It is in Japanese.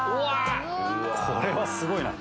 これはすごいな。